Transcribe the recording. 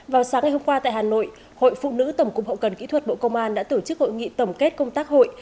vào sáng ngày hôm qua tại hà nội hội phụ nữ tổng cục hậu cần kỹ thuật bộ công an đã tổ chức hội nghị tổng kết công tác hội